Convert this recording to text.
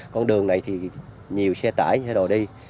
con đường này thì nhiều xe tải xe đồ đi